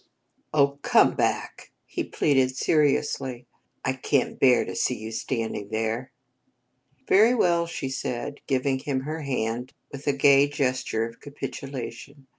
"Oh, come back," he pleaded seriously, "I can't bear to see you standing there!" "Very well," she said, giving him her hand with a gay gesture of capitulation.